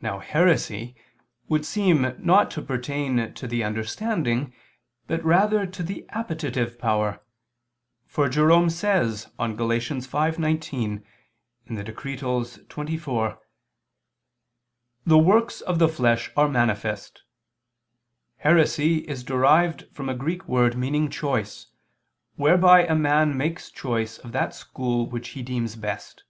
Now heresy would seem not to pertain to the understanding, but rather to the appetitive power; for Jerome says on Gal. 5:19: [*Cf. Decretals xxiv, qu. iii, cap. 27] "The works of the flesh are manifest: Heresy is derived from a Greek word meaning choice, whereby a man makes choice of that school which he deems best."